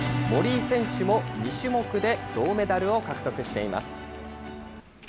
森井選手も２種目で銅メダルを獲得しています。